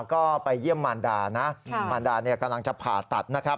ก็ไปเยี่ยมมารดานะมารดาเนี่ยกำลังจะผ่าตัดนะครับ